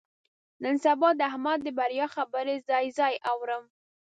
نن سبا د احمد د بریا خبرې ځای ځای اورم.